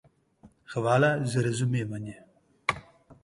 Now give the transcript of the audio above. Hvala za razumevanje.